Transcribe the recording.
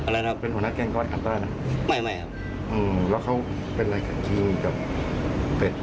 แล้วเขาเป็นอะไรครับที่มีกับเผ็ด